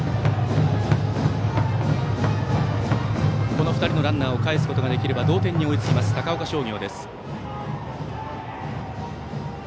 ここで２人のランナーをかえすことができれば同点に追いつきます、高岡商業。